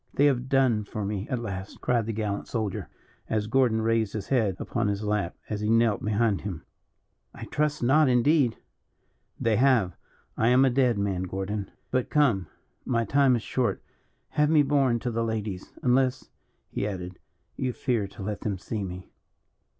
"They have done for me at last," cried the gallant soldier, as Gordon raised his head upon his lap, as he knelt behind him. "I trust not, indeed." "They have. I am a dead man, Gordon. But come, my time is short; have me borne to the ladies unless," he added, "you fear to let them see me."